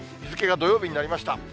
日付が土曜日になりました。